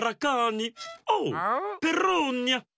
おうペローニャ。